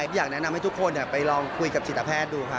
อยากแนะนำให้ทุกคนไปลองคุยกับจิตแพทย์ดูค่ะ